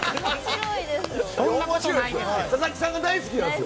佐々木さんが大好きなんです！